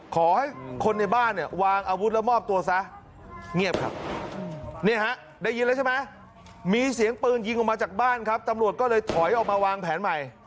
ขอให้คนในบ้านเนี่ยวางอาวุธแล้วมอบตัวซะเงียบครับเนี่ยฮะได้ยินแล้วใช่ไหมมีเสียงปืนยิงออกมาจากบ้านครับตำรวจก็เลยถอยออกมาวางแผนใหม่